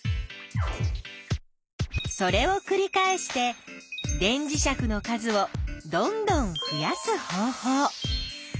それをくり返して電磁石の数をどんどん増やす方法。